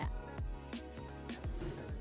di tengah persaingan bisnis e commerce yang begitu ketat